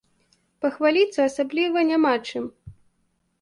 Пахваліцца асабліва няма чым.